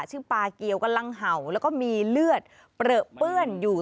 ชื่อปลาเกียวกำลังเห่าแล้วก็มีเลือดเปลือเปื้อนอยู่